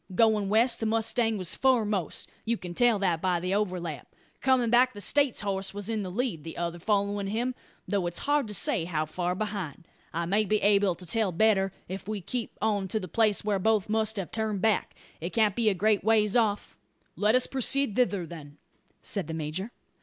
Goin' west the mustang was foremost; you can tell that by the overlap. Comin' back the States horse was in the lead, the other followin' him; though it's hard to say how fur behind. I may be able to tell better, if we keep on to the place whar both must have turned back. It can't be a great ways off." "Let us proceed thither, then," said the major.